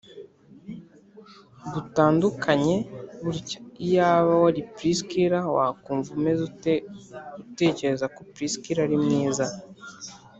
butandukanye butya Iyaba wari Priscilla wakumva umeze ute Uratekereza ko Priscilla ari mwiza